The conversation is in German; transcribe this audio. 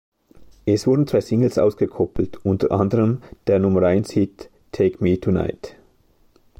Es wurden zwei Singles ausgekoppelt, unter anderem der Nummer-eins-Hit "Take Me Tonight".